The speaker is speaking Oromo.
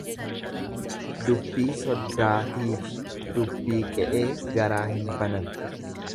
Dubbii soddaatiifi dubbii qe'ee garaa hin banan.